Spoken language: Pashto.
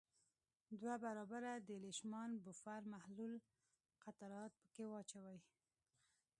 دوه برابره د لیشمان بفر محلول قطرات پرې واچوئ.